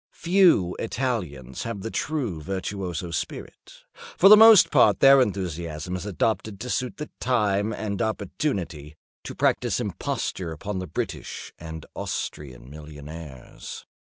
Few Italians have the true virtuoso spirit. For the most part their enthusiasm is adopted to suit the time and opportunity—to practise imposture upon the British and Austrian millionaires.